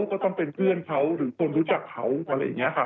ก็ต้องเป็นเพื่อนเขาหรือคนรู้จักเขาอะไรอย่างนี้ค่ะ